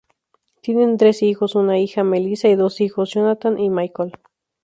Tienen tres hijos: una hija, Melissa y dos hijos, Jonathan y Michael.